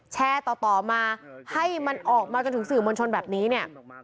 แชร์ต่อมาให้มันออกมาจนถึงสื่อมวลชนแบบนี้เนี่ย